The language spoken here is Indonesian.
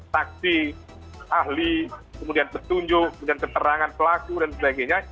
saksi ahli kemudian petunjuk kemudian keterangan pelaku dan sebagainya